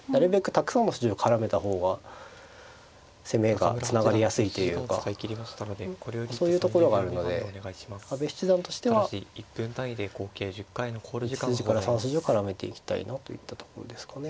たくさんの筋を絡めた方が攻めがつながりやすいというかそういうところがあるので阿部七段としては２筋から３筋を絡めていきたいなといったところですかね。